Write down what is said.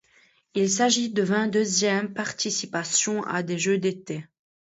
Il s'agit de vingt-deuxième participation à des Jeux d'été.